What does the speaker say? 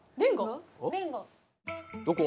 どこ？